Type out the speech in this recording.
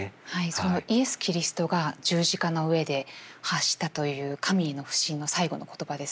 そのイエス・キリストが十字架の上で発したという神への不信の最期の言葉ですね。